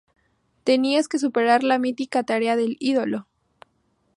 Tenías que superar la mítica Tarea del Ídolo.